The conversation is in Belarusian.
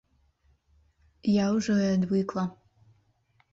Я ўжо і адвыкла.